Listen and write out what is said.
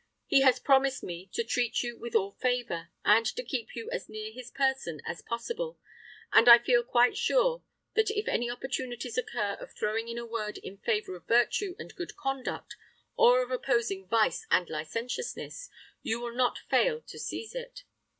He has promised me to treat you with all favor, and to keep you as near his person as possible, and I feel quite sure that if any opportunities occur of throwing in a word in favor of virtue and good conduct, or of opposing vice and licentiousness, you will not fail to seize it.